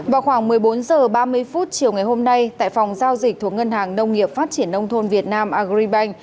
vào khoảng một mươi bốn h ba mươi chiều ngày hôm nay tại phòng giao dịch thuộc ngân hàng nông nghiệp phát triển nông thôn việt nam agribank